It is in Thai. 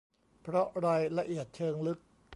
เพราะรายละเอียดเชิงลึก